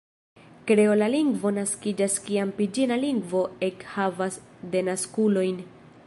Kreola lingvo naskiĝas kiam piĝina lingvo ekhavas denaskulojn.